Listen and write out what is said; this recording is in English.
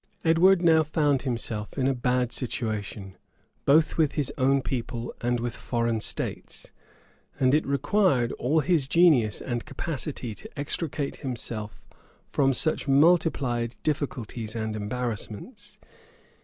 Edward now found himself in a bad situation, both with his own people and with foreign states; and it required all his genius and capacity to extricate himself from such multiplied difficulties and embarrassments.